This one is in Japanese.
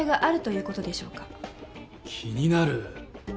気になる？